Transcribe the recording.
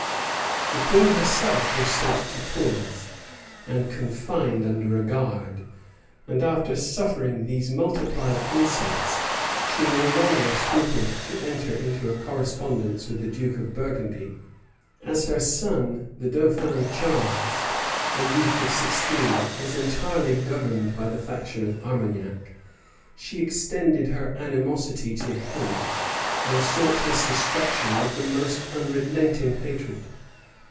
The queen herself was sent to Tours, and confined under a guard;[] and after suffering these multiplied insults, she no longer scrupled to enter into a correspondence with the duke of Burgundy. As her son, the dauphin Charles, a youth of sixteen, was entirely governed by the faction of Armagnac, she extended her animosity to him, and sought his destruction with the most unrelenting hatred.